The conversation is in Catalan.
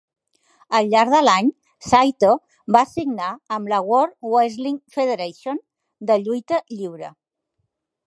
Al llarg de l'any, Saito va signar amb la World Wrestling Federation de lluita lliure.